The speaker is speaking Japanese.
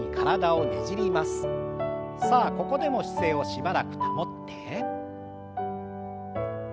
さあここでも姿勢をしばらく保って。